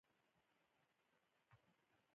زمرد د افغانستان د کلتوري میراث برخه ده.